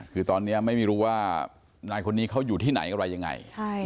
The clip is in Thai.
คือตอนนี้ไม่รู้ว่านายคนนี้เขาอยู่ที่ไหนอะไรยังไง